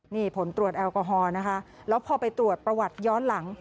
นี่ผลตรวจแอลกอฮอล์นะคะแล้วพอไปตรวจประวัติย้อนหลัง